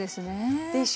でしょ。